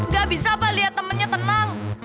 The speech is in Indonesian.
ga bisa apa liat temennya tenang